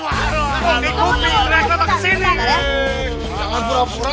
anak aneknya mau kesini jangan pura pura